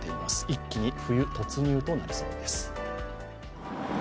一気に冬突入となりそうです。